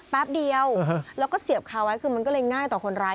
แป๊บเดียวแล้วก็เสียบคาไว้คือมันก็เลยง่ายต่อคนร้าย